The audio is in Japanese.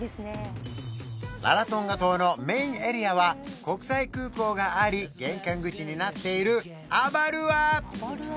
ラロトンガ島のメインエリアは国際空港があり玄関口になっているアバルア